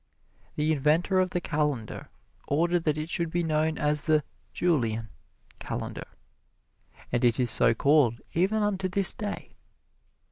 The inventor of the calendar ordered that it should be known as the "Julian Calendar," and it is so called, even unto this day.